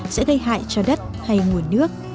sẽ gây hại cho đất hay nguồn nước